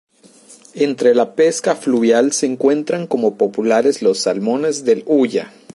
Entre la pesca fluvial se encuentran como populares los salmones del Ulla.